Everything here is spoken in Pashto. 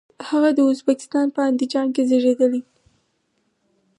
هغه د ازبکستان په اندیجان کې زیږیدلی.